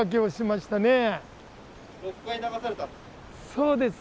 そうです。